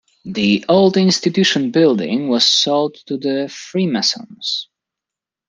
The old Institution building was sold to the Freemasons.